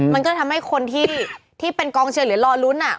มันก็ทำให้คนที่ที่เป็นกองเชิญหรือลอลุ้นอ่ะ